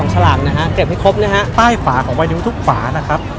๑๒ฉลาดนะฮะเกร็บให้ครบนะฮะต้ายฝาของไวนิวทุกฝานะครับ